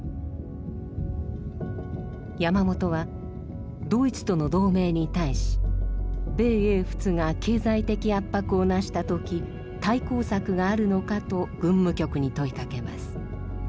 山本はドイツとの同盟に対し「米英仏が経済的圧迫を成したとき対抗策があるのか」と軍務局に問いかけます。